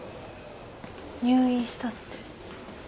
入院したって。